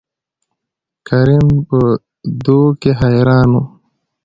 کريم په دو کې حيران وو.